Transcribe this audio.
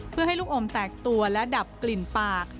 เพื่อให้ลูกอมแตกตัวและดับกลิ่นปาก